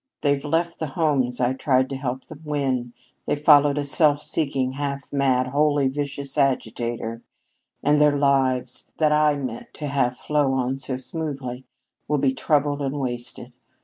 They've left the homes I tried to help them win, they've followed a self seeking, half mad, wholly vicious agitator, and their lives, that I meant to have flow on so smoothly, will be troubled and wasted.